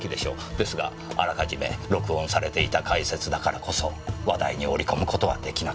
ですがあらかじめ録音されていた解説だからこそ話題に織り込む事は出来なかった。